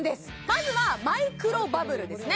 まずはマイクロバブルですね